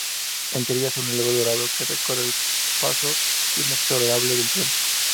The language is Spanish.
Entre ellas, un reloj dorado que recuerda el paso inexorable del tiempo.